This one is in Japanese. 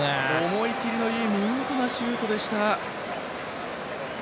思い切りのいい見事なシュートでした。